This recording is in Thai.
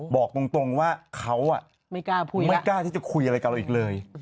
บอกตรงว่าเขาไม่กล้าที่จะคุยอะไรกับเราอีกเลย